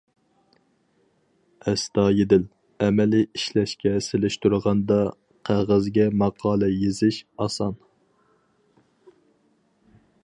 ئەستايىدىل، ئەمەلىي ئىشلەشكە سېلىشتۇرغاندا، قەغەزگە ماقالە يېزىش ئاسان.